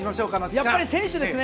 やっぱり選手ですね。